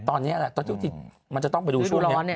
ตอนนี้มันจะต้องไปดูช่วงนี้